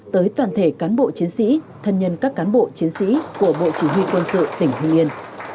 tới toàn thể cán bộ chiến sĩ thân nhân các cán bộ chiến sĩ của bộ chỉ huy quân sự tỉnh hưng yên